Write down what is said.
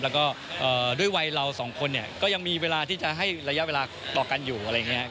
แล้วก็ด้วยวัยเราสองคนเนี่ยก็ยังมีเวลาที่จะให้ระยะเวลาต่อกันอยู่อะไรอย่างนี้